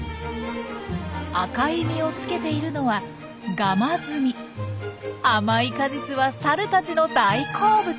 赤い実をつけているのは甘い果実はサルたちの大好物。